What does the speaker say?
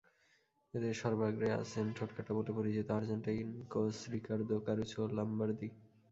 এঁদের সর্বাগ্রে আছেন ঠোঁটকাটা বলে পরিচিত আর্জেন্টাইন কোচ রিকার্দো কারুসো লমবার্দি।